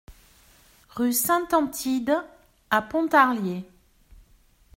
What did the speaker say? Rue Saint-Antide à Pontarlier